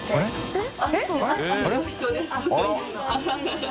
えっ？